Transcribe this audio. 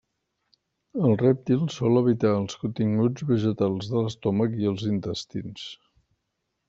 El rèptil sol evitar els continguts vegetals de l'estómac i els intestins.